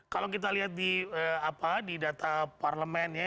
kalau kita lihat di data parlemennya